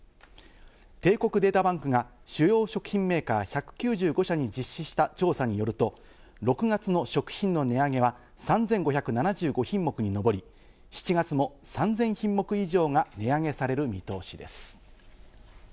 帝国データバンクが主要食品メーカー１９５社に実施した調査によると、６月の食品の値上げは、３５７５品目にのぼり、７月も３０００品目以上が値上げされる見通しです。